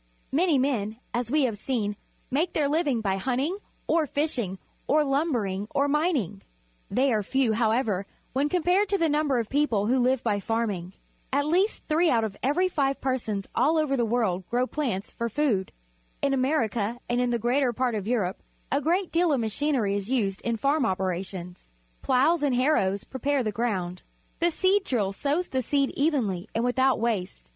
— Manj^ men, as we luiA'e seen, make their li\ang by hunting, or fishing, or lumbering, or mining. They are few, however, when compared with the number of people who Uve by farming. At least three out of every five persons all over the world grow plants for food. Disking and Harrowing, Saskatchewan Notice that a machine is doing the work. In America and in the greater part of Europe a great deal of machinery is used in farm operations. Ploughs and harrows prepare the ground. The seed drill sows the seed evenly and without waste.